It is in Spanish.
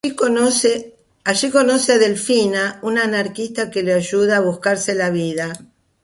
Allí conoce a Delfina, una anarquista que le ayuda a buscarse la vida.